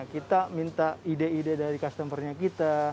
kita minta ide ide dari customer nya kita